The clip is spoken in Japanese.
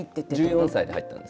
１４歳で入ったんです。